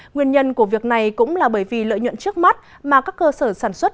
nguyên nhân của việc này cũng là bởi vì lợi nhuận trước mắt mà các cơ sở sản xuất